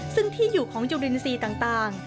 ซึ่งที่อยู่ของจุดนิสีต่าง